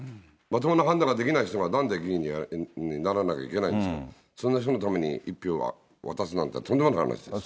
まともな判断ができない人がなんで議員にならなきゃいけないんですか、そんな人のために１票を渡すなんてとんでもない話です。